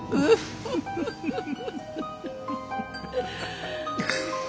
フフフフ！